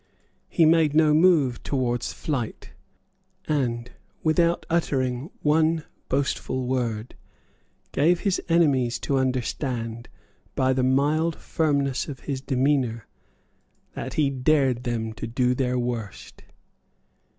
He made no move towards flight; and, without uttering one boastful word, gave his enemies to understand, by the mild firmness of his demeanour, that he dared them to do their worst.